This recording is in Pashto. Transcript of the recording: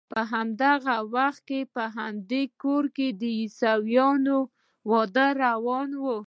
په همدغه وخت کې په همدې کور کې د عیسویانو واده روان و.